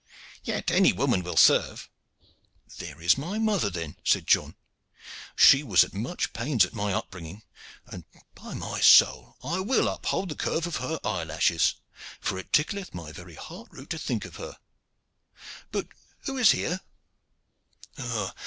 "Yet any woman will serve." "There is my mother then," said John. "She was at much pains at my upbringing, and, by my soul! I will uphold the curve of her eyelashes, for it tickleth my very heart root to think of her. But who is here?"